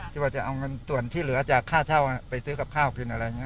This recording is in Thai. ที่ว่าจะเอาเงินส่วนที่เหลือจากค่าเช่าไปซื้อกับข้าวกินอะไรอย่างนี้